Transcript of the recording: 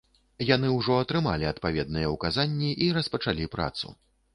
Яны ўжо атрымалі адпаведныя ўказанні і распачалі працу.